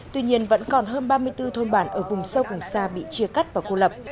tuy nhiên vẫn còn hơn ba mươi bốn thôn bản ở vùng sâu vùng xa bị chia cắt và cô lập